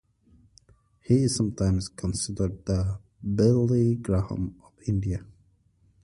He is sometimes considered the "Billy Graham of India".